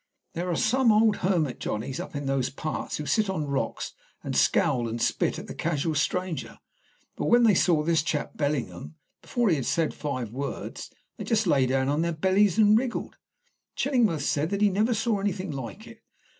There are some old hermit Johnnies up in those parts who sit on rocks and scowl and spit at the casual stranger. Well, when they saw this chap Bellingham, before he had said five words they just lay down on their bellies and wriggled. Chillingworth said that he never saw anything like it.